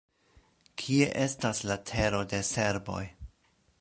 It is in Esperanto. Kie estas la tero de serboj?